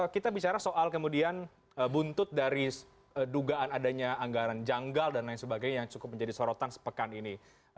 kita bicara soal kemudian buntut dari dugaan adanya anggaran janggal dan lain sebagainya yang cukup menjadi sorotan sepekan ini